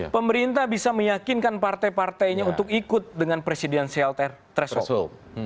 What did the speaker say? pemerintah bisa meyakinkan partai partainya untuk ikut dengan presiden sialter tresol